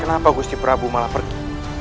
kenapa gusti prabu malah pergi